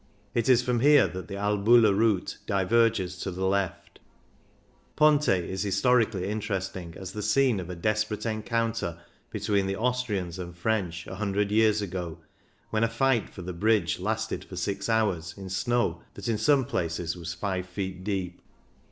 It is from here that the Albula route diverges to the left Ponte is historically interesting as the scene of a desperate encounter between the Austrians and French a hun dred years ago, when a fight for the bridge lasted for six hours in snow that in some places was five feet deep.